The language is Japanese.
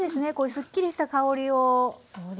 すっきりした香りを。